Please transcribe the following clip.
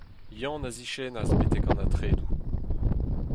Yann a ziskennas betek an atredoù.